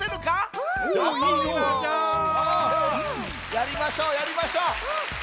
やりましょうやりましょう。